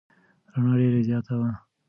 رڼا ډېره زیاته وه.